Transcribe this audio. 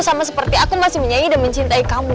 sama seperti aku masih menyanyi dan mencintai kamu